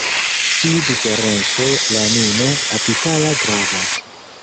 Tiu diferenco lamino-apikala gravas.